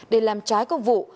để làm trái công vụ